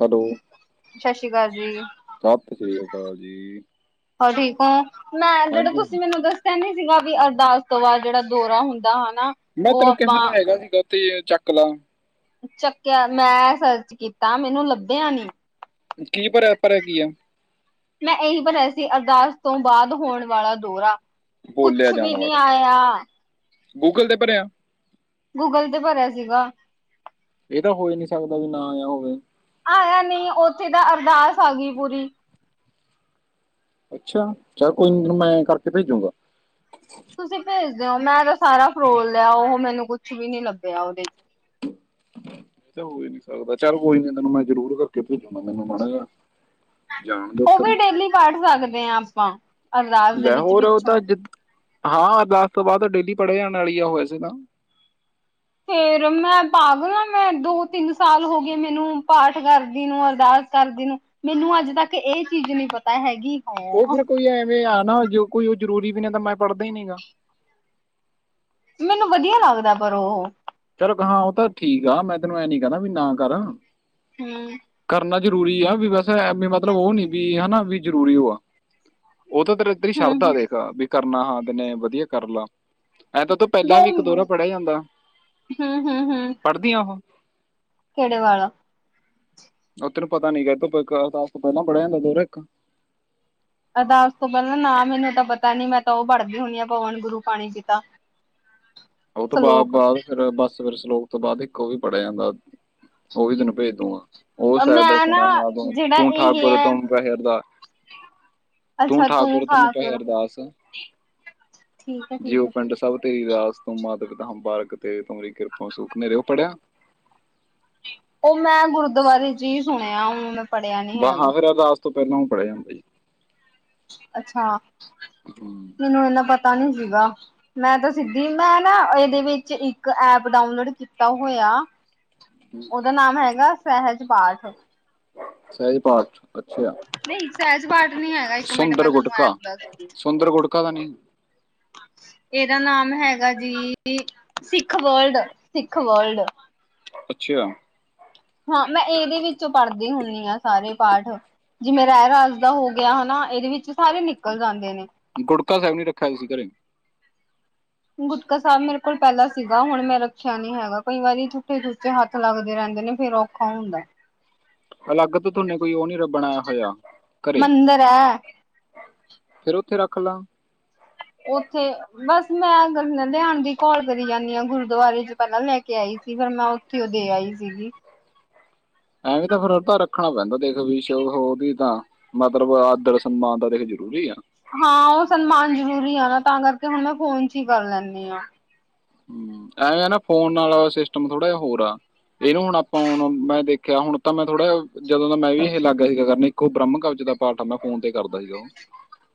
Hello. ਸਸ ਸ੍ਰੀ ਕਾਲ ਜੀ। ਸਤਿ ਸ੍ਰੀ ਅਕਾਲ ਜੀ। ਹੋਰ ਠੀਕ ਓ, ਮੈਂ ਜੇੜੇ ਹਾਂਜੀ ਹਾਂ, ਤੂਸੀਂ ਮੈਨੂੰ ਦੱਸ ਦਸੇਆ ਨੀ ਸੀਗਾ ਵੀ ਅਰਦਾਸ ਤੋਂ ਬਾਦ ਜੇੜਾ ਦੌਰਾ ਹੁੰਦਾ ਹਨਾ ਮੈਂ ਉਹ ਤੈਨੂੰ ਕਿਹਾ ਆਪਾਂ ਤਾਂ ਹੈਗਾ ਸੀਗਾ ਤੇ ਚੱਕ ਲੋ। ਚੱਕੇਆ ਮੈਂ ਸਰਚ ਕੀਤਾ ਮੈਨੂੰ ਲੱਭਿਆ ਨੀ। ਕੀ ਭਰੇਆ, ਭਰੇਆ ਕੀ ਆ? ਮੈਂ ਏਹੀ ਭਰਿਆ ਸੀ ਅਰਦਾਸ ਤੋਂ ਬਾਦ ਹੋਣ ਵਾਲਾ ਦੌਰਾ। ਕੁਛ ਬੋਲੇਆ ਵੀ ਜਾਣ ਨੀ ਵਾਲਾ, ਆਇਆ ਗੂਗਲ ਤੇ ਭਰੇਆ? ਗੂਗਲ ਤੇ ਭਰੇਆ ਸੀਗਾ। ਏ ਤਾਂ ਹੋ ਈ ਨੀ ਸਕਦਾ ਵੀ ਨਾ ਆਯਾ ਹੋਵੇ। ਆਯਾ ਨੀ ਓਥੇ ਤਾ ਅਰਦਾਸ ਆਗੀ ਪੂਰੀ। ਅੱਛਾ, ਚੱਲ ਕੋਈ ਨੀ ਤੇਨੂ ਮੈਂ ਕਾਰਕੇ ਭੇਜੂਗਾਂ। ਤੁਸੀਂ ਭੇਜ ਦੋ ਮੈਂ ਤਾ ਸਾਰਾ ਫਰੋਲ ਲੇਆ ਉਹ ਮੈਨੂੰ ਕੁਛ ਵੀ ਨੀ ਲੱਭੇਆ ਓਦੇ ਚ। [inaudible] ਏ ਤੇ ਹੋਈ ਨੀ ਸਕਦਾ, ਚੱਲ ਕੋਈ ਨੀ ਤੈਨੂੰ ਮੈਂ ਜਰੂਰ ਕਾਰਕੇ ਭੇਜੂਂਗਾ ਮੈਨੂੰ ਮਾੜਾ ਜਾ ਜਾਣ ਦੋ। ਓ ਵੀ ਡੇਲੀ ਪਢ ਸਕਦੇ ਆ ਆਪਾਂ? ਅਰਦਾਸ ਦੇ ਲੈ ਵਿੱਚ ਹੋਰ, ਓ ਪਿੱਛੋਂ। ਤਾ ਜ ਹਾਂ ਅਰਦਾਸ ਤੋਂ ਬਾਦ ਡੇਲੀ ਪਢੇ ਜਾਣ ਆਲੀ ਆ ਓ ਵੈਸੇ ਤਾ। ਫੇਰ ਮੈਂ ਪਾਗਲ ਆ ਮੈਂ ਦੋ-ਤਿੰਨ ਸਾਲ ਹੋ ਗਏ ਮੈਨੂੰ ਪਾਠ ਕਾਰਦੀ ਨੂੰ ਅਰਦਾਸ ਕਾਰਦੀ ਨੂੰ ਮੈਨੂੰ ਅੱਜ ਤੱਕ ਏ ਚੀਜ ਨੀ ਪਤਾ ਹੈਗੀ। ਓ ਹਾਂ ਫੇਰ ਕੋਈ ਐਵੇਂ ਆ ਨਾ ਜੋ ਕੋਈ ਓ ਜਰੂਰੀ ਵੀ ਨੀ ਤਾਂ ਮੈਂ ਪਢਦਾ ਈ ਨੀ ਗਾ। ਮੈਨੂੰ ਵਦੀਆ ਲਾੱਗਦਾ ਪਰ ਓਹ। ਚੱਲ ਗਾ ਓ ਤਾਂ ਠੀਕ ਆ ਮੈਂ ਤੈਨੂੰ ਐ ਨੀ ਕੈਂਦਾ ਵੀ ਨਾ ਕਰ, ਹਮ ਕਰਨਾ ਜਰੂਰੀ ਆ ਵੀ ਵੈਸ ਐ ਵੀ ਮਤਲਬ ਓ ਨੀ ਵੀ ਹਨਾ ਵੀ ਜਰੂਰੀ ਓ ਆ, ਓ ਤਾਂ ਤੇਰੇ ਤੇਰੀ ਸ਼ਰਧਾ ਹਮ ਦੇਖ, ਵੀ ਕਰਨਾ ਹਾਂ ਮੈਨੇ ਵਧੀਆ ਕਾਰ ਲਾ। ਐ ਤਾਂ ਤ ਪਹਿਲਾਂ ਵੀ ਇੱਕ ਦੋਹਰਾ ਪੜ੍ਹਿਆ ਜਾਂਦਾ। ਹੂੰ-ਹੂੰ, ਹੂੰ ਪੜ੍ਹਦੀਆਂ ਉਹ? ਕਿਹੜੇ ਵਾਲਾ? [unintelligible] ਅਰਦਾਸ ਤੋਂ ਪਹਿਲਾਂ ਨਾ ਮੈਨੂੰ ਤਾਂ ਪਤਾ ਨੀ ਮੈਂ ਤਾਂ ਉਹ ਪੜਦੀ ਹੁਨੀ ਆ ਪਵਨ ਗੁਰੂ ਪਾਣੀ ਪਿਤਾ। ਉਹ ਤੋਂ ਸਲੋਕ ਬਾਦ-ਬਾਦ ਫਿਰ ਬਸ ਸਵੇਰ ਸਲੋਕ ਤੋਂ ਬਾਦ ਇੱਕ ਉਹ ਵੀ ਪੜਿਆ ਜਾਂਦਾ ਉਹ ਵੀ ਤੈਨੂੰ ਭੇਜ ਦੂਗਾ। ਉਹ ਸ਼ਾਇਦ ਮੈਂ ਨਾ ਸੁਣਿਆ ਹੋਣਾ ਤੂੰ, ਜਿਹੜਾ ਤੂੰ ਇਹ ਠਾਕੁਰ ਹੈ ਤੁਮ ਪਏ ਅਰਦਾ ਤੂੰ ਠਾਕੁਰ ਤੁਮ ਪਏ ਅਰਦਾਸ ਠੀਕ ਹੈ ਜੀਓ ਠੀਕ ਹੈ ਠੀਕ ਪਿੰਡ ਸਭ ਤੇਰੀ ਰਾਸ ਤੂੰਮ ਮਾਤ ਪਿਤਾ ਹਮ ਬਾਰਕ ਤੇਰੇ ਤੁਮਰੀ ਕਿਰਪਾ ਮੈ ਸੂਖ ਘ ਉਹ ਪੜਿਆ? ਉਹ ਮੈਂ ਗੁਰਦੁਆਰੇ ਚ ਹੀ ਸੁਣਿਆ ਹੁਣ ਪੜ੍ਹਿਆ ਨੀ ਹੈਗਾ ਮੁਹਾਵਰਾ ਅਰਦਾਸ ਤੋਂ ਪਹਿਲਾਂ ਉਹ ਪੜਿਆ ਜਾਂਦਾ ਜੀ। ਅੱਛਾ ਹਮ, ਮੈਨੂੰ ਇਨਾ ਪਤਾ ਨੀ ਸੀਗਾ ਮੈਂ ਤਾਂ ਸਿੱਧੀ ਮੈਂ ਨਾ ਇਹਦੇ ਵਿੱਚ ਇੱਕ ਐਪ ਡਾਊਨਲੋਡ ਕੀਤਾ ਹੋਇਆ ਉਹਦਾ ਨਾਮ ਹੈਗਾ ਸਹਿਜ ਪਾਠ ਸਹੀ ਪਾਠ ਅੱਛਾ ਨਹੀਂ ਸਹਿਜ ਪਾਠ ਨੀ ਹੈਗਾ ਇੱਕ ਮਿੰਟ ਮੈਂ ਸੁੰਦਰ ਤੁਹਾਨੂੰ ਐਪ ਦੱਸਦੀ। ਗੁਟਕਾ-ਸੁੰਦਰ ਗੁਟਕਾ ਤਾਂ ਨੀ [inaudible] ਇਹਦਾ ਨਾਮ ਹੈਗਾ ਜੀ ਸਿੱਖ ਵਰਲਡ-ਸਿੱਖ ਵਰਲਡ ਅੱਛਾ ਹਾਂ ਮੈਂ ਇਹਦੇ ਵਿੱਚੋਂ ਪੜ੍ਹਦੀ ਹੁੰਦੀ ਹਾਂ ਸਾਰੇ ਪਾਠ ਜਿਵੇਂ ਰਹਿ ਰਾਸ ਦਾ ਹੋ ਗਿਆ ਹਨਾ ਇਹਦੇ ਵਿੱਚ ਸਾਰੇ ਨਿਕਲ ਜਾਂਦੇ ਨੇ ਗੁੜਕਾ ਸਾਹਿਬ ਨੀ ਰੱਖਿਆ ਤੁ ਸੀ ਘਰੇ ਗੁਟਕਾ ਸਾਹਿਬ ਮੇਰੇ ਕੋਲ ਪੈਲਾਂ ਸੀਗਾ ਹੁਣ ਮੈਂ ਰੱਖਿਆ ਨੀ ਹੈਗਾ ਕਈ ਵਾਰੀ ਝੂਠੇ ਛੂਟੇ ਹੱਥ ਲੱਗਦੇ ਰੈਂਦੇ ਨੇ ਫਿਰ ਕੌਣ ਹੁੰਦਾ ਅਲੱਗ ਤੋਂ ਤੁਹਨੇ ਕੋਈ ਉਹ ਨੀ ਰ ਬਣਾਇਆ ਹੋਇਆ ਘਰੇ ਮੰਦਿਰ ਹੈ। ਫੇਰ ਉੱਥੇ ਰੱਖ ਲਾ ਉੱਥੇ ਬਸ ਮੈਂ ਅਗਰ ਲਿਆਣ ਦੀ ਘੋਲ ਕਰੀ ਜਾਂਦੀ ਹਾਂ ਗੁਰਦੁਆਰੇ ਚ' ਪੈਲਾਂ ਲੈ ਕੇ ਕੇ ਆਈ ਸੀ ਫਿਰ ਮੈਂ ਉੱਥੇ ਉਹ ਦੇ ਆਈ ਸੀਗੀ ਐਵੇਂ ਤਾਂ ਫਿਰ ਉਹ ਤਾਂ ਰੱਖਣਾ ਪੈਂਦਾ ਦੇਖ ਵੀਸ਼ ਹੋਦੀ ਤਾਂ ਮਤਲਬ ਆਦਰ ਸਨਮਾਨ ਤਾਂ ਦੇਖ ਜਰੂਰੀ ਆ ਹਾਂ ਉਹ ਸਨਮਾਨ ਜ਼ਰੂਰੀ ਆ ਨਾ ਤਾਂ ਕਰਕੇ ਹੁਣੈਂ ਫੋਨ ਚ' ਹੀ ਕਰ ਲੈਂਦੀ ਹਾਂ ਹਮ ਐਵੇਂ ਨਾ ਫੋਨ ਨਾਲ ਸਿਸਟਮ ਥੋੜਾ ਜਿਹਾ ਹੋਰ ਆ ਇਹਨੂੰ ਹੁਣ ਆਪਾਂ ਹੁਣ ਮੈਂ ਦੇਖ ਆਖਿਆ ਹੁਣ ਤਾਂ ਮੈਂ ਥੋੜਾ ਜਦੋਂ ਦਾ ਮੈਂ ਵੀ ਇਹ ਲੱਗ ਗਿਆ ਹੀ ਸੀਗਾ ਕਰਨੀ ਦੇਖੋ ਬ੍ਰਹਮ ਕਬਜ ਦਾ ਪਾਠ ਆ ਮੈਂ ਫੋਨ ਤੇ ਕਰਦਾ ਸੀ ਉਹ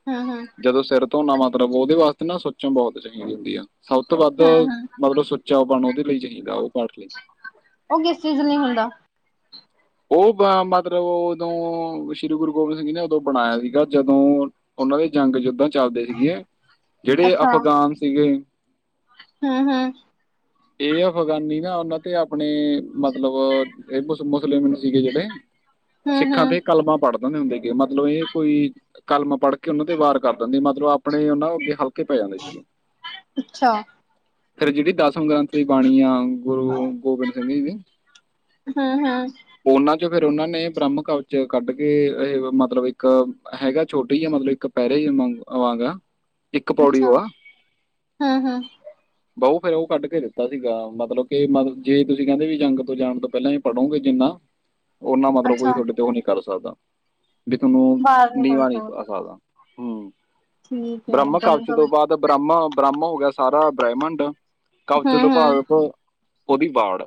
ਹਮ-ਹਮ ਜਦੋਂ ਸਿਰ ਧੋਨਾ ਮਤਲਬ ਉਹਦੇ ਵਾਸਤੇ ਨਾ ਸੁਚਮ ਬੋਤ ਚਾਹੀਦੀ ਹੁੰਦੀ ਆ ਸਭ ਤੋਂ ਵੱਧ ਹਮ ਹਮ ਮਤਲਬ ਸੁੱਚਾ ਪਨ ਉਹਦੇ ਲਈ ਚਾਹੀਦਾ ਉਹ ਪਾਠ ਲਈ ਉਹ ਕਿਸ ਚੀਜ਼ ਨਹੀਂ ਹੁੰਦਾ ਉਹ ਮਤਲਬ ਉਦੋਂ ਸ਼੍ਰੀ ਗੁਰੂ ਗੋਬਿੰਦ ਸਿੰਘ ਜੀ ਨੇ ਉਦੋਂ ਬਣਾਇਆ ਸੀਗਾ ਜਦੋਂ ਉਹਨਾਂ ਦੇ ਜੰਗ ਯੁਦਾਂ ਚੱਲਦੇ ਸੀਗੇਆਂ ਜਿਹੜੇ ਅਫਗਾਨ ਸੀਗੇ ਹਮ-ਹਮ ਇਹ ਅਫਗਾਨੀ ਨਾ ਉਹਨਾਂ ਤੇ ਆਪਣੇ ਮਤਲਬ ਇਹ ਮੁ ਮੁਸਲਿਮ ਸੀਗੇ ਜਿਹੜੇ ਹਮ ਸਿੱਖਾਂ ਹਮ ਤੇ ਕਲਮਾਂ ਪੜ੍ਹਦੇ ਹੁੰਦੇ ਮਤਲਬ ਇਹ ਕੋਈ ਕਲਮ ਪੜ੍ਹ ਕੇ ਉਹਨਾਂ ਤੇ ਵਾਰ ਕਰ ਦਿੰਦੇ ਮਤਲਬ ਆਪਣੇ ਉਹਨਾਂ ਅੱਗੇ ਹਲਕਾ ਕਿ ਪੈ ਜਾਂਦਾ ਸੀ। ਅੱਛਾ ਫਿਰ ਜਿਹੜੀ ਦਸਵਂ ਗ੍ਰੰਥ ਦੀ ਬਾਣੀ ਆ ਗੁਰੂ ਗੋਬਿੰਦ ਸਿੰਘ ਜੀ ਦੀ ਹਮ-ਹਮ ਉਹਨਾਂ ਚੋਂ ਫੇਰ ਉਹਨਾਂ ਨੇ ਬ੍ਰਹਮ ਕਵ ਚ' ਕੱਢ ਕੇ ਇਹ ਮਤਲਬ ਇੱਕ ਹੈਗਾ ਛੋਟੀ ਹੈ ਮਤਲਬ ਇੱਕ ਪਹਿਰੇ ਹੀ [unintelligible] ਇੱਕ ਪੌੜੀ ਅੱਛਾ ਉਹ ਆ। ਹਮ ਹਮ ਬਊ ਫੇਰ ਉਹ ਕੱਢ ਕੇ ਦਿੱਤਾ ਸੀਗਾ, ਮਤਲਬ ਕੇ ਮਤ ਜੇ ਤੁਸੀਂ ਕਹਿੰਦੇ ਵੀ ਜੰਗ ਤੋਂ ਜਾਣ ਤੋਂ ਪੈਲਾਂ ਪੜ੍ਹੋਗੇ ਜਿੰਨਾ, ਓਨਾ ਮਤਲਬ ਕੋਈ ਅੱਛਾ ਤੁਹਾਡੇ ਤੇ ਉਹ ਨੀ ਕਰ ਸਕਦਾ। ਵੀ ਥੋਨੂੰ ਬਾਹਰ ਨਿਕਲ ਨੀਵਾਂ ਨਹੀਂ ਸਕਦੇ ਪਾ ਸਕਦਾ ਹਮ, ਠੀਕ ਹੈ ਬ੍ਰਹਮ ਜੰਮੂ ਕਵਜ਼ ਦੇ ਤੋਂ ਵਿੱਚ ਬਾਅਦ। ਬ੍ਰਾਹਮਾ-ਬ੍ਰਾਹਮ ਹੋ ਗਿਆ, ਸਾਰਾ ਬ੍ਰਹਿਮੰਡ ਕਵਚ ਤੋਂ ਹਮ ਹਮ ਭਾਗਤ ਉਹਦੀ ਵਾੜ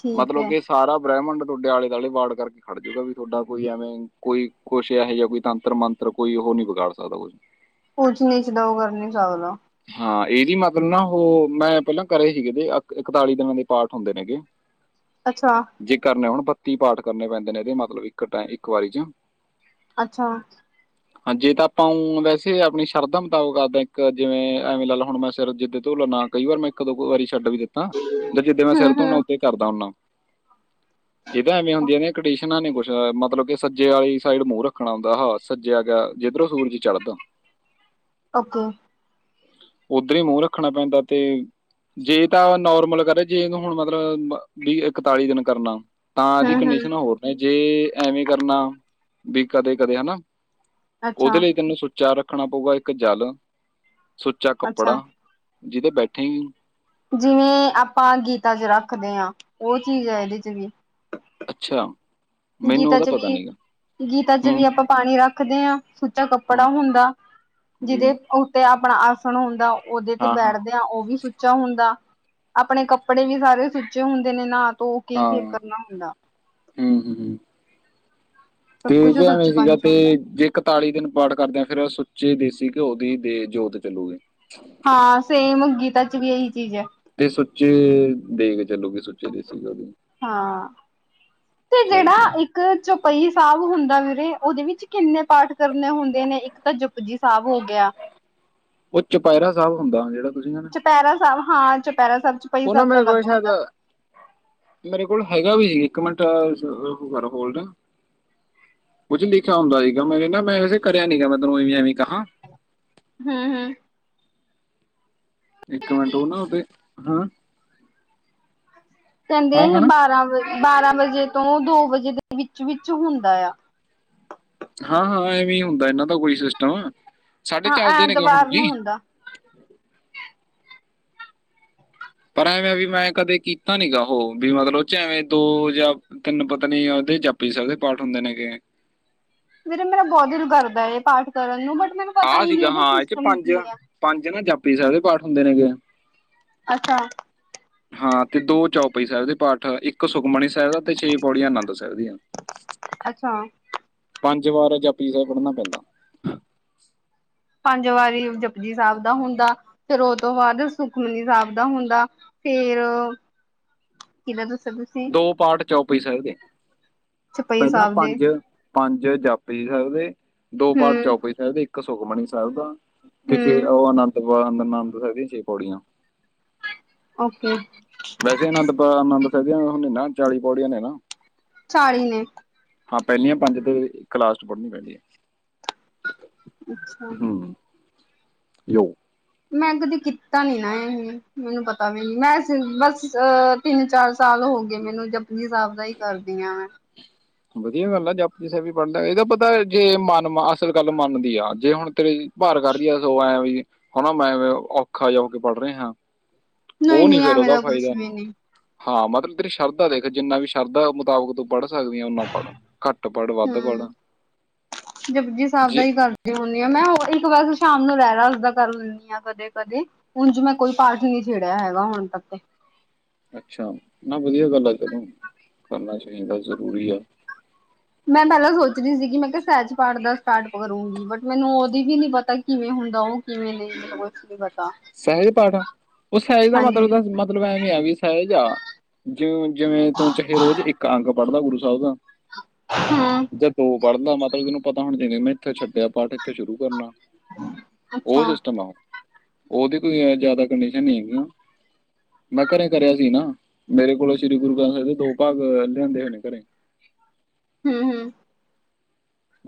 ਠੀਕ ਮਤਲਬ ਹੈ ਕਿ ਸਾਰਾ ਬ੍ਰਹਿਮੰਡ ਤੁਹਾਡੇ ਆਲੇ-ਦੁਆਲੇ ਵਾੜ ਕਰਕੇ ਖੜ ਜੂਗਾ ਵੀ ਤੁਹਾਡਾ ਕੋਈ ਐਵੇਂ ਕੋਈ ਕੁੱਛ ਇਹੋ ਜਿਹਾ ਕੋਈ ਤੰਤਰ-ਮੰਤ ਫਿਰ ਕੋਈ ਉਹ ਨਹੀਂ ਵਿਗਾੜ ਸਕਦਾ ਕੋਈ। ਊਚਨੀਚ ਤਾਂ ਉਹ ਕਰ ਨਹੀਂ ਸਕਦਾ। ਹਾਂ, ਏਹਦੀ ਮਤਲਬ ਨਾ ਉਹ ਮੈਂ ਪਹਿਲਾਂ ਕਰੇ ਸੀਗੇ ਕਿਤੇ ਇਕਤਾਲੀ ਦਿਨਾਂ ਦੇ ਪਾਠ ਹੁੰਦੇ ਨੇਗੇ। ਅੱਛਾ। ਜੇ ਕਰਨੇ ਹੋਣ ਬੱਤੀ ਪਾਠ ਕਰਨੇ ਪੈਂਦੇ ਨੇ, ਏਂਦੇ ਮਤਲਬ ਇੱਕ ਟਾਈਮ ਇੱਕ ਵਾਰੀ'ਚ। ਅੱਛਾ। ਹ ਹਾਂ, ਜੇ ਤਾਂ ਆਪਾਂ ਉਂ ਵੈਸੇ ਆਪਣੀ ਸ਼ਰਧਾ ਮੁਤਾਬਕ ਆਪਦਾ, ਇੱਕ ਜਿਵੇਂ ਐਵੇਂ ਲੈ ਹੁਣ ਮੈਂ ਸਿਰ ਜਲਦੀ ਧੋ ਲੈਣਾ। ਕਈ ਵਾਰ ਇੱਕ-ਦੋ ਵਾਰੀ ਕ ਛੱਡ ਵੀ ਦਿੱਤਾ ਜਿੱਦਾਂ ਮੈਂ ਹਮ ਸਿਰ ਧੋਣਾ ਹਮ ਓਦਾ ਕਰਦਾ ਹੁੰਨਾ, ਇਹ ਤਾਂ ਐਵੇਂ ਹੁੰਦੀਆਂ ਨੇ ਕਟਿਸ ਦੇਖਨਾ ਨੀ ਕੁਛ ਮਤਲਬ ਕਿ ਸੱਜੇ ਵਾਲੀ ਸਾਈਡ ਮੂੰਹ ਰੱਖਣਾ ਹੁੰਦਾ, ਹਾਂ ਸਜਿਆ ਗਿਆ ਜਿੱਧਰੋਂ ਸੂਰਜ ਚੜ੍ਹਦਾ। [inaudible] ਓਕੇ। ਉੱਧਰ ਹੀ ਮੂੰਹ ਰੱਖਣਾ ਪੈਂਦਾ ਤੇ ਜੇ ਤਾਂ ਨੋਰਮਲ ਕਰੇ, ਜੇਕ ਹੁਣ ਮਤਲਬ ਬ ਵੀਹ ਇਕਤਾਲੀ ਦਿਨ ਕਰਨਾ ਤਾਂ ਇਹਦੀ ਹਮ ਹਮ ਕੰਡੀਸ਼ਨਾਂ ਹੋਰ। ਜੇ ਐਵੇਂ ਕਰਨਾ ਵੀ ਕਦੇ-ਕਦੇ ਹਨਾ, ਅੱਛਾ ਉਹਦੇ ਲਈ ਤੈਨੂੰ ਸੁ ਉੱਚਾ ਰੱਖਣਾ ਪਊਗਾ ਇੱਕ ਜਲ, ਸੁੱਚਾ ਅੱਛਾ ਕੱਪੜਾ ਜਿਹਦੇ ਬੈਠੀ ਜਿਵੇਂ ਆਪਾਂ ਗੀਤਾ'ਚ ਰੱਖਦੇ ਹਾਂ, ਉਹ ਚੀਜ਼ ਹੈ ਇਹਦੇ'ਚ ਵੀ। ਅੱਛਾ। ਮੈਨੂੰ ਗੀਤਾ ਉਹਦਾ 'ਚ ਪਤਾ ਵੀ, ਨਹੀਂਗਾ ਗੀਤਾ 'ਚ ਵੀ ਹੂੰ ਆਪਾਂ ਪਾਣੀ ਰੱਖਦੇ ਹਾਂ, ਸੁੱਚਾ ਕੱਪੜਾ ਹੂੰ ਹੁੰਦਾ। ਜੀ ਜਿਹਦੇ ਉੱਤੇ ਆਪਣਾ ਆਸਣ ਹੁੰਦਾ, ਉਹਦੇ'ਤੇ ਹਾਂ ਹਾਂ ਬੈਠਦੇ ਆ, ਉਹ ਵੀ ਸੁੱਚਾ ਸੁੱਚਾ ਹੁੰਦਾ, ਆਪਣੇ ਕੱਪੜੇ ਵੀ ਸਾਰੇ ਸੁੱਚੇ ਹੁੰਦੇ ਨੇ। ਨਹਾ-ਧੋ ਕੇ ਫੇਰ ਕਰਨਾ ਹੁੰਦਾ। ਹਮ-ਹਮ। ਸਭ ਕੁਛ ਤੇਜ ਸੁੱਚ ਐਵੇਂ ਸੀਗਾ ਪੰਚ ਤੇ ਹੁੰਦਾ ਜੇਕਰ ਇਕਤਾਲੀ ਦਿਨ ਪਾਠ ਕਰਦਿਆਂ ਫੇਰ ਸੁੱਚੇ ਦੇਸੀ ਘਿਓ ਦੀ ਦੇ ਜੋਤ ਜਲਾਉਂਦੇ ਹਾਂ, ਸੇਮ ਗੀਤਾ'ਚ ਵੀ ਏਹੀ ਚੀਜ਼ ਹੈ। ਤੇ ਸੁੱਚੇ ਦੇਗ ਚਲੂਗੀ, ਸੁੱਚੇ ਦੇਸੀ ਘਿਓ ਦੀ। ਹਾਂ, ਤੇ ਜਿਹੜਾ ਠੀਕ ਨੇ ਇੱਕ ਇੱਕ ਚੌਪਈ ਸਾਹਿਬ ਹੁੰਦਾ ਵੀਰੇ, ਉਹਦੇ ਵਿੱਚ ਕਿੰਨੇ ਪਾਠ ਕਰਨੇ ਹੁੰਦੇ ਨੇ ਇੱਕ ਤਾਂ ਜੁਪ ਜੀ ਸਾਹਿਬ ਹੋ ਗਿਆ। ਉਹ ਚੌਪਹਿਰਾ ਸਾਹਿਬ ਹੁੰਦਾ, ਜਿਹੜਾ ਤੁਸੀਂ ਕਹਿ ਰੇ। ਚੌਪਹਿਰਾ ਸਾਹਿਬ ਹਾਂ, ਚੌਪਹਿਰਾ ਸਾਹਿਬ 'ਚ ਉਹਨਾ ਮੇਰੇ ਕੋਲ ਸ਼ਾਇਦ ਮੇਰੇ ਕੋਲ ਹੈਗਾ ਵੀ, ਇੱਕ ਮਿੰਟ ਕਰੋ ਹੋਲਡ ਕੁੱਝ ਲਿਖਿਆ ਹੁੰਦਾ ਸੀਗਾ, ਮੈਨੇ ਮੈਂ ਵੈਸੇ ਕਰਿਆ ਨੀਗਾ, ਮੈਂ ਤੈਨੂੰ ਐਵੇਂ ਹੀ ਕਹਾਂ ਹਮ-ਹਮ। ਇੱਕ ਮਿੰਟ, ਉਹ ਨਾ ਉਹਦੇ, ਹਾਂ ਕਹਿੰਦੇ ਹਾਂ ਇਹ ਹਾਂ ਬਾਰਾਂ ਵ, ਬਾਰਾਂ ਵਜੇ ਤੋਂ ਦੋ ਵਜੇ ਦੇ ਵਿੱਚ-ਵਿੱਚ ਹੁੰਦਾ ਆ। ਹਾਂ-ਹਾਂ ਐਵੇਂ ਹੁੰਦਾ ਇਹਨਾਂ ਦਾ ਕੋਈ ਸਿਸਟਮ, ਸਾਡੇ ਹਾਂ ਚੱਲਦੇ ਨੇਗੇ ਹੁਣ ਐਤਵਾਰ ਨੂੰ ਵੀ। ਹੁੰਦਾ ਪਰ ਐਵੇਂ ਵੀ ਮੈਂ ਕਦੇ ਕੀਤਾ ਨੀਗਾ, ਉਹ ਵੀ ਮਤਲਬ ਐਵੇਂ ਦੋ ਜਾਂ ਤਿੰਨ ਪਤਾ ਨੀ, ਉਹਦੇ ਜਪਜੀ ਸਾਹਿਬ ਦੇ ਪਾਠ ਹੁੰਦੇ ਨੇਗੇ। ਵੀਰਾ ਮੇਰਾ ਬਹੁਤ ਦਿਲ ਕਰਦਾ ਹੈ, ਪਾਠ ਕਰਨ ਨੂੰ ਬਟ ਮੈਨੂੰ। ਪਤਾ ਆਹ ਹੀ ਨਹੀਂ ਸੀਗਾ ਇਹਦਾ ਹਾਂ, ਇਹ 'ਚ ਸਿਸਟਮ ਪੰਜ- ਕੀ ਹੈ ਪੰਜ ਨਾ ਜਾਪੀ ਸਾਹਿਬ ਦੇ ਪਾਠ ਹੁੰਦੇ ਨੇਗੇ। ਅੱਛਾ। ਹਾਂ ਤੇ ਦੋ ਚੌਪਈ ਸਾਹਿਬ ਦੇ ਪਾਠ ਇੱਕ ਸੁਖਮਣੀ ਸਾਹਿਬ ਦਾ ਤੇ ਛੇ ਪੌੜੀਆਂ ਆਨੰਦ ਸਾਹਿਬ ਦੀਆਂ। ੱ [unintelligible] ਅੱਛਾ। ਪੰਜ ਵਾਰ ਜਪਜੀ ਸਹਿਬ ਪੜ੍ਹਨਾ ਪੈਂਦਾ। ਪੰਜ ਵਾਰੀ ਜਪਜੀ ਸਾਹਿਬ ਦਾ ਹੁੰਦਾ, ਫੇਰ ਔ ਤੋਂ ਬਾਅਦ ਸੁਖਮਨੀ ਸਾਹਿਬ ਦਾ ਹੁੰਦਾ। ਫੇਰ, ਕਿਦਾਂ ਦੱਸੋ ਤੁ। [unintelligible] ਦੋ ਪਾਠ ਚੋਪਈ ਸਾਹਿਬ ਦੇ, ਚਪਈ ਪੈਲਾਂ ਸਾਹਿਬ ਦੇ ਪੰਜ। ਪੰਜ ਜਪਜੀ ਸਾਹਿਬ ਦੇ, ਦੋ ਪਾਠ ਹੂੰ ਚੌਪਈ ਸਾਹਿਬ ਇੱਕ ਸੁਖਮਨੀ ਸਾਹਿਬ ਦਾ। ਪਿਛੇ ਹੂੰ ਔ ਆਨੰ ਵਾ ਅਨੰਦ ਸਾਹਿਬ ਦੀ ਛੇ ਪੌੜੀਆਂ। ਓਕੇ ਵੈਸੇ ਆਨੰਦ ਪ ਆਨੰਦ ਸਹਿਬ ਦੇ ਨਾ ਚਾਲੀ ਪੌੜੀਆਂ ਨੇ ਨਾ। ਚਾਲੀ ਨੇ। ਹਾਂ ਪੈਲਿਯਾਂ ਪੰਜ ਤੇ ਇਕ ਲਾਸਟ ਚ ਪੜ੍ਹਨੀ ਪੈਰੀਂ ਹੈ। ਅੱਛਾ। ਹੂੰ ਯੋ। ਮੈਂ ਕਦੇ ਕੀਤਾ ਨੀ ਨਾ ਏਹੇ ਹੇ। ਮੈਨੂੰ ਪਤਾ ਵੀ ਨੀ, ਮੈਂ ਬਸ ਅ ਤਿੰਨ -ਚਾਰ ਸਾਲ ਹੋ ਗਏ ਮੈਨੂੰ ਜਪ। ਜੀ ਸਾਹਿਬ ਦਾ ਈ ਕਰਦੀ ਆਂ ਮੈਂ ਵਧੀਆ ਗੱਲ ਆ ਜਪਜੀ ਜੇ ਵੀ ਪੜ੍ਹ ਲਿਆ, ਏਦਾ, ਪਤਾ ਜੇ ਮਨ ਅਸਲ ਗੱਲ ਮੰਨਦੀ ਆ ਜੇ ਹੁਣ ਤੇਰੇ। ਭਾਰ ਕਡ ਦੀ ਐ ਸੋ ਐਂ ਵੀ ਹਣਾ ਮੈਂ ਔਖਾ ਜਾ ਹੋ ਕੇ ਪੜ੍ਹ ਰਿਹਾਂ। ਨਹੀਂ ਔਨੀ ਨਹੀਂ ਫੇਰ ਐਵੇਂ ਔਦਾ ਦਾ ਕੁਛ ਫਾਇਦਾ ਨੀ। ਵੀ ਹਾਂ ਮਤਲਬ ਤੇਰੀ ਸ਼ਰਧਾ ਦੇਖ, ਜਿੰਨਾ ਵੀ ਸ਼ਰਧਾ ਮੁਤਾਬਿਕ ਤੂੰ ਪੜ੍ਹ ਸਕਦੀ ਆ। ਪੜੋ ਘੱਟ ਪੜ੍ਹ ਵੱਧ ਹੂੰ ਪੜੋ ਜੇ। ਜੇ ਹੁੰਦੀ ਆ ਮੈਂ ਔਹ ਇੱਕ ਵਾਰੀ ਸ਼ਾਮ ਨੂ ਰਹਿਰਾਸ ਸਾਹਿਬ ਦਾ ਕਰ ਲੈਂਨੀ ਆ ਕਦੇ- ਕਦੇ‌ ਹੁਣ ਚ ਮੈਂ ਕੋਈ ਪਾਠ ਨੀ ਛੇੜਿਆ ਹੈਗਾ ਹੁਣ ਤੱਕ ਤੇ। ਅੱਛਾ, ਨਾ ਵਧੀਆ ਗੱਲ ਆ ਕਰੋ, ਕਰਨਾ ਚਾਈਦੈ ਜਰੂਰੀ ਐ। ਮੈਂ ਪੈਂਲਾਂ ਸੋਚ ਦੀ ਸੀਗੀ ਮੈਂ ਕਯਾ ਸੈਜ ਪਾਠ ਦਾ ਸਟਾਰਟ ਕਰੂੰਗੀ, ਬਟ ਮੈਨੂੰ ਔਦੀ ਵੀ ਨੀ ਪਤਾ ਕਿਵੇਂ ਹੁੰਦਾ ਔ। ਕੀਵੇਂਂਬ। [unintelligible] ਸਹਿਜ ਪਾਠ ਸਹਿਜ ਦਾ ਹਾਂਜੀ ਮਤਲਬ -ਮਤਲਬ ਐਵੇਂ ਆ ਵੀ ਸਹਿਜ ਆ ਜੋ। ਜਿਵੇਂ ਤੂੰ ਚਾਹੇ ਰੋਜ਼ ਇੱਕ ਅੰਗ ਪੜ੍ਹਲਾਂ ਗੁਰੂ ਸਾਹਿਬ ਦਾ। [unintelligible] ਹਾਂ। ਜਾ ਦੋ ਪੜਲਾ ਮਤਲਬ ਤਨੂੰ ਪਤਾ ਹੋਨਾ ਚਾਹਿਦਾ ਮੈ ਇੱਥੌ ਛੱਡੇਯਾ ਪਾਠ। ਥੋ ਸ਼ੁਰੂ ਕਰਨਾ ਔਹ ਅੱਛਾ ਸਿਸਟਮ ਆ ਔ। ਔਦੀ ਕੋਈ ਐ ਜਾਦਾ ਕੰਡੀਸ਼ਨ ਨੀ ਹੈਗੀ। ਮੈਂ ਘਰੇ ਕਰਿਆ ਸੀ ਨਾ ਮੇਰੇ ਕੋਲੋਂ ਸ੍ਰੀ ਗੁਰੂ ਗ੍ਰੰਥ ਸਾਹਿਬ ਦੇ ਦੋ ਭਾਗ ਲਿਆਂਦੇ ਹੋਏ ਨੇ ਘਰੇ। ਹਮ- ਹਮ।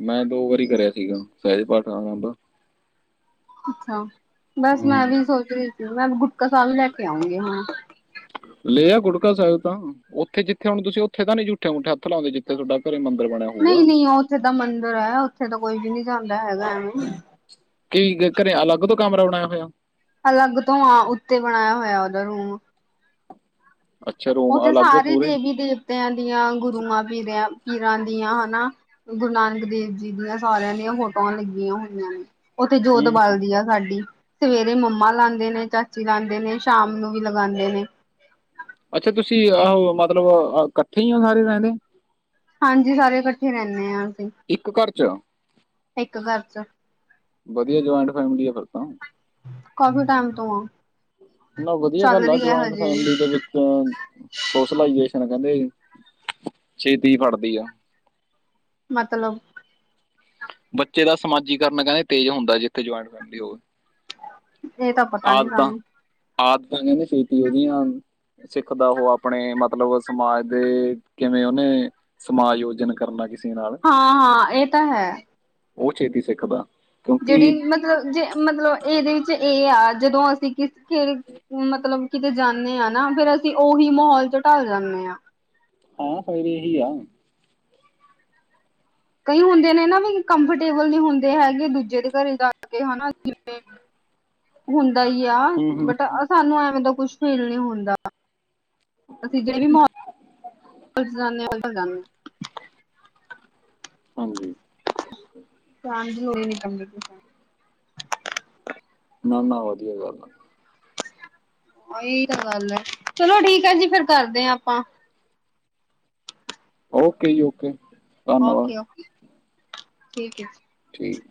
ਮੈਂ ਦੋ ਵਾਰੀ ਕਰਿਆ ਸੀਗਾ। ਸਹਿਜ ਪਾਠ ਮੈ ਔਦਾ। ਅੱਛਾ। ਬਸ ਮੈਂ ਹੂੰ ਵੀ ਸੋਚ ਰੀ ਸੀ, ਮੈਂ ਵਿ ਗੁਟਕਾ ਸਾਹਿਬ ਵੀ ਲੈ ਕੇ ਆਉਂਗੀ ਹਾਂ। ਲੇ ਆ ਗੁਟਕਾ ਸਾਹਿਬ ਤਾਂ ਔਥੇ- ਜਿੱਥੇ ਹੁਣ ਤੁਸੀਂ ਔਥੇ ਤੇ ਨੀ ਝੂਠੇ- ਮੂਠੇ ਹੱਥ ਲਾਉਂਦੇ ਜੇ। ਇਕ ਡੈਪਰ ਹੀ ਨਮਬਂਰ ਪੈਨਾ ਹੁਗਾ। ਜਿਥੇ ਮੰਦਿਰ ਹੈ, ਔਥੇ ਤਾਂ ਕੋਈ ਵੀ ਨੀ ਜਾਂਦਾ ਹੈਗਾ ਐਨੂੰ। ਕੀ ਘਰੇ ਅਲੱਗ ਤੋਂ ਕਮਰਾ ਬਨਾਏਆ ਹੋਇਆ। ਅਲੱਗ ਤੋਂ ਆ ਊਣੇ ਬਣਾਇਆ ਹੋਇਆ ਔਦਾਂ ਰੂਮ। ਅੱਛਾ ਰੂਮ ਔਥੇ ਅਲੱਗ ਸਾਰੀ ਪੂਰੇ ਦੇਵੀ -ਦੇਵਤਿਆਂ, ਦੀਆਂ ਗੁਰੂਆਂ, ਪੀਰਿਆਂ, ਪੀਰਾਂ ਦੀਆਂ ਹਨਾ। ਗੁਰੂ ਨਾਨਕ ਦੇਵ ਜੀ ਦੀਆਂ, ਸਾਰਿਆਂ ਦੀਆਂ ਫੋਟੋਆਂ ਲੱਗੀਆਂ ਹੋਈਆਂ ਨੇ। ਔਥੇ ਹੂੰ ਜੋਤ ਹੂੰ। ਬਾਲਦੀ ਆ ਸਾਡੀ। ਸਵੇਰੇ ਮੰਮਾ ਲਾਂਦੇ ਨੇ ਚਾਚੀ ਲਾਂਦੇ ਨੇ ਸ਼ਾਮ ਨੂੰ ਵੀ ਲਗਾਉਂਦੇ ਨੇ। ਅੱਛਾ ਤੁਸੀਂ ਉਹਹੋ ਮਤਲਬ ਕੱਠੇ ਹੀ ਹੋ ਸਾਰੇ ਜਾਨੇ। ਹਾਂਜੀ, ਸਾਰੇ ਕੱਠੇ ਰੈਣੇ ਆਂ ਅਸੀਂ। ਇੱਕ ਘਰ ਚ ਇੱਕ ਘਰ ਚ ਵਧੀਆ ਜੋਇੰਟ ਫੈਮਲੀ ਆ ਫਿਰ ਤਾ। ਕਾਫੀ ਟੈਮ ਤੋਂ ਆਂ। ਨਾ ਵਧੀਆ ਗੱਲ ਆ ਜੋਇੰਟ ਵੀ ਫੈਮਿਲੀ ਦੇ ਵਿੱਚ ਚ ਸੋਸ਼ਲਾਈਜੇਸ਼ਨ ਕੈੰਦੇ ਜੀ ਛੇਤੀ ਫੜਦੀ ਆ। ਮਤਲਬ? ਬੱਚੇ ਦਾ ਸਮਾਜੀਕਰਨ ਕੈੰਦੇ ਤੇਜ ਹੁੰਦਾ ਜਿੱਥੇ ਜੋਇੰਟ ਫੈਮਿਲੀ ਹੋਏ। ਇਹ ਤਾਂ ਪਤਾ ਨੀ ਸਾਨੂੰ ਆਦਤਾਂ-ਆਦਤਾਂ ਕੈੰਦੇ ਛੇਤੀ ਓਹਦੀਆਂ ਸਿੱਖਦਾ ਓਹ ਅਪਣੇ ਮਤਲਬ ਸਮਾਜ ਦੇ ਕਿਵੇਂ ਓਨੇ ਸਮਾਯੋਜਨ ਕਰਨਾ ਕਿਸ ਹਾਂ-ਹਾਂ ਏਹ ਤਾਂ ਹੈ। ਓਹ ਛੇਤੀ ਸਿੱਖਦਾ। ਕਿਉਂਕਿ ਜੇੜੀ ਮਤਲਬ ਜੇ ਮਤਲਬ ਏਦੇ ਇਚ ਏ ਆ ਜਦੋਂ ਅਸੀਂ ਕਿਸ ਕੇਰ ਮਤਲਬ ਕਿਤੇ ਜਾਨੇ ਆ ਨਾ ਫੇਰ ਅਸੀਂ ਓਹੀ ਮਹੌਲ ਚ ਢਲ ਜਾਨੇ ਆ। ਹਾਂ, ਫੇਰ ਏਹੀ ਆ। ਕਈ ਹੁੰਦੇ ਨੇ ਨਾ ਵਈ ਕੰਫਰਟੇਬਲ ਨੀ ਹੁੰਦੇ ਹੈਗੇ ਦੂਜੇ ਦੇ ਘਰੇ ਜਾ ਕੇ ਹਨਾ। ਜਿਵੇਂ ਹੁੰਦਾ ਹੀ ਯਾ ਹੂੰ ਹੂੰ ਬਟ ਹੂੰ। ਅ ਸਾਨੂੰ ਐਵੇਂ ਦਾ ਕੁਛ ਫੀਲ ਨੀ ਹੁੰਦਾ। [inaudible] ਹਾਂਜੀ। ਚਾਂਜਿੰਗ ਹੋਈ ਨੀ ਨਬੇ ਪਸੈਂਟ। ਨਾ-ਨਾ, ਵਧੀਆ ਗੱਲ ਆਂ। ਓਹੀ ਤਾਂ ਗੱਲ ਐ ਚਲੋ ਠੀਕ ਹੈ ਜੀ, ਫੇਰ ਕਰਦੇ ਆ ਆਪਾ। ਓਕੇ ਜੀ ਓਕੇ। ਧੰਨਵਾਦ ਓਕੇ-ਓਕੇ, ਠੀਕ ਏ। ਠੀਕ।